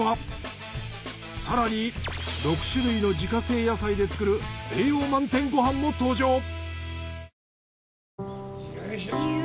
更に６種類の自家製野菜で作る栄養満点ご飯も登場。